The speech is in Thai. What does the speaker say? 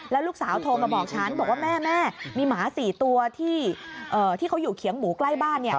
แล้วลูกสาวโทรมาบอกฉันบอกว่าแม่มีหมา๔ตัวที่เขาอยู่เขียงหมูใกล้บ้าน